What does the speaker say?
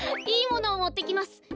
いいものをもってきます。